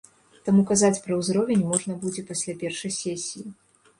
Таму казаць пра ўзровень можна будзе пасля першай сесіі.